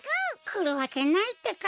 くるわけないってか。